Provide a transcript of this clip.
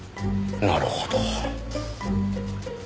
なるほど。